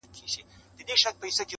امیر ورکړه یو غوټه د لوټونو-